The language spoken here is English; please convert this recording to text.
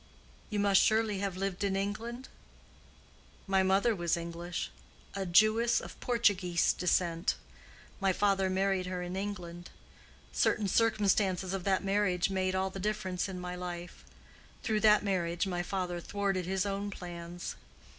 "You must surely have lived in England?" "My mother was English—a Jewess of Portuguese descent. My father married her in England. Certain circumstances of that marriage made all the difference in my life: through that marriage my father thwarted his own plans.